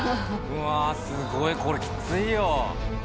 うわすごいこれキツいよ。